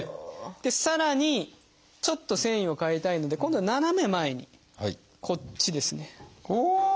さらにちょっと線維を変えたいので今度は斜め前にこっちですね。